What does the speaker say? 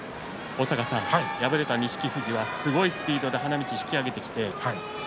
敗れた錦富士はすごいスピードで花道を引き揚げていきました。